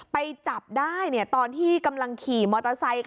ไปจับได้ตอนที่กำลังขี่มอเตอร์ไซค์